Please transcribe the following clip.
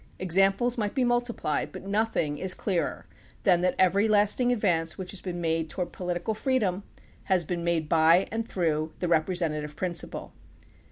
Examples might be mul tiplied; but nothing is clearer than that every lasting advance which has been made toward political freedom has been made by and through the representative prin ciple.